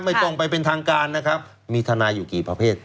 ไม่ต้องไปเป็นทางการนะครับมีทนายอยู่กี่ประเภท